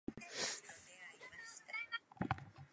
Return to Turkish football wasn't very fruitful for Nihat.